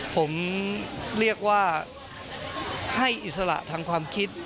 ผมเรียกว่าให้อิสระทางความคิด